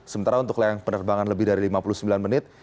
sementara untuk layang penerbangan lebih dari lima puluh sembilan menit